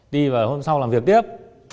đi vào hôm sau làm việc tiếp